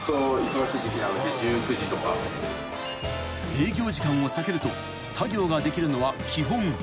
［営業時間を避けると作業ができるのは基本夜のみ］